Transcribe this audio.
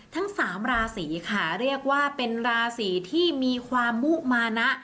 ทั้งสามราศีค่ะเรียกว่าเป็นราศีที่มีความมุมานะ